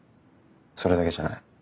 それだけじゃない。